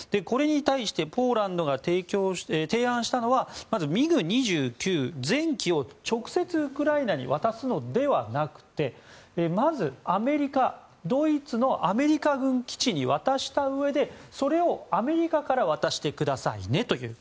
これに対してポーランドが提案したのはまずＭｉＧ２９全機を直接ウクライナに渡すのではなくてまず、アメリカがドイツのアメリカ軍基地に渡したうえでそれをアメリカから渡してくださいねと。